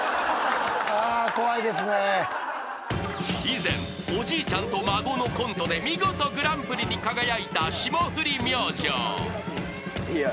［以前「おじいちゃんと孫」のコントで見事グランプリに輝いた霜降り明星］